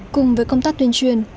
cùng với công tác tuyên truyền